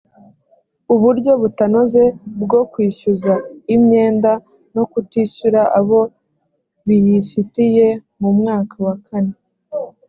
uburyo butanoze bwo kwishyuza imyenda no kutishyura abo biyifitiye mu mwaka wa kane